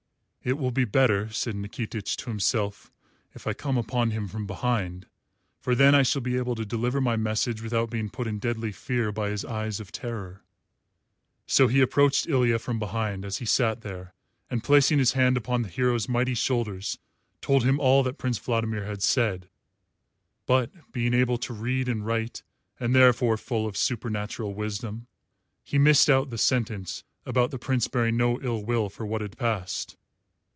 "It will be better," said Nikitich to himself, "if I come upon him from behind, for then I shall be able to deliver my message without being put in deadly fear by his eyes of terror." So he approached Ilya from behind as he sat there and, placing his hands upon the hero's mighty shoulders, told him all that Prince Vladimir had said; but being able to read and write, and therefore full of supernatural wisdom, he missed out the sentence about the Prince bearing no ill will for what had passed.